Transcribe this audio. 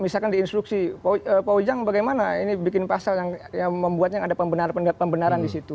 misalkan di instruksi pak ujang bagaimana ini bikin pasal yang membuatnya ada pembenaran di situ